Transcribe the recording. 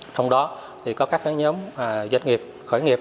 trong đó có các nhóm doanh nghiệp khởi nghiệp